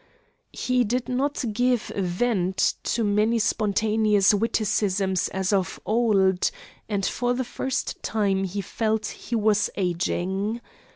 He did not give vent to many spontaneous witticisms as of old, and for the first time he felt he was ageing.